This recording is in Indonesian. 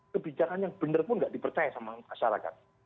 kebijakan yang benar pun tidak dipercaya sama masyarakat